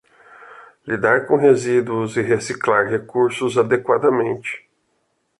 Lidar com resíduos e reciclar recursos adequadamente